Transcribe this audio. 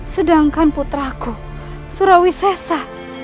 sedangkan putraku surawisesa